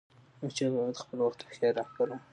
احمدشاه بابا د خپل وخت هوښیار رهبر و.